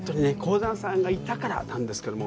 鴻山さんがいたからなんですけれども。